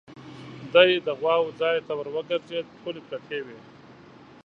دی د غواوو ځای ته ور وګرځېد، ټولې پرتې وې.